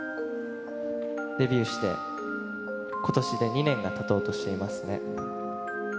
デビューしてことしで２年がたとうとしていますね。